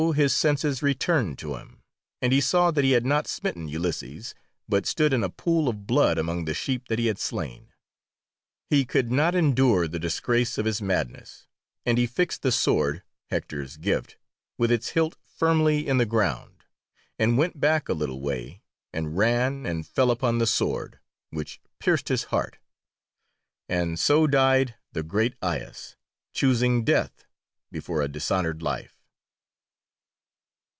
his senses returned to him, and he saw that he had not smitten Ulysses, but stood in a pool of blood among the sheep that he had slain. He could not endure the disgrace of his madness, and he fixed the sword, Hector's gift, with its hilt firmly in the ground, and went back a little way, and ran and fell upon the sword, which pierced his heart, and so died the great Aias, choosing death before a dishonoured life.